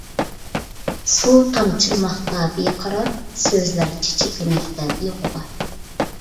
سۇ تامچىلىماقتا بىقارار، سۆزلەر چېچەكلىمەكتە بىغۇبار.